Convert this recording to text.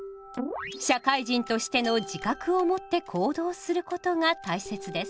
社会人としての自覚をもって行動することが大切です。